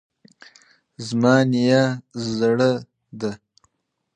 زما نیا زړه ده